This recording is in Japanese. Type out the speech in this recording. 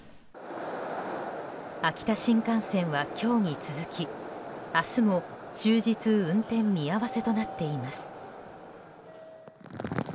秋田新幹線は今日に続き明日も終日運転見合わせとなっています。